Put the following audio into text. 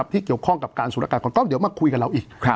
ที่เกี่ยวข้องกับการสูดอากาศของกล้องเดี๋ยวมาคุยกับเราอีก